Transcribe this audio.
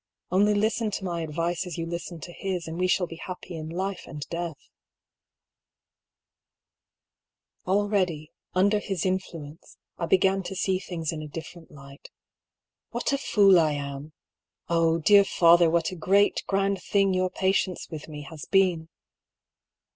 Only listen to my advice as you listened to his, and we shall be happy in life and death." 138 I>R. PAULL'S THEORY. Already, under his influence, I began to see things in a different light What a fool I am ! Oh, dear fa ther, what a great, grand thing your patience with me has been